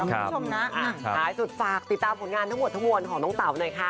ข้ายที่สุดฝากติดตามผลงานทั้งหัวทั้งหมดของน้องเต่าหน่อย